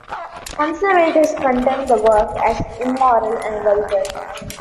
Conservatives condemned the work as "immoral" and "vulgar.